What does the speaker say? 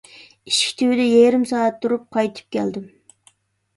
ئىشىك تۈۋىدە يېرىم سائەت تۇرۇپ قايتىپ كەلدىم.